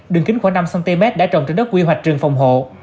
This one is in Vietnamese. đường kính khoảng năm cm đã trồng trên đất quy hoạch rừng phòng hộ